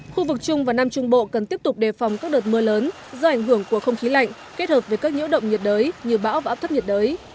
khu vực trung và nam trung bộ cần tiếp tục đề phòng các đợt mưa lớn do ảnh hưởng của không khí lạnh kết hợp với các nhiễu động nhiệt đới như bão và áp thấp nhiệt đới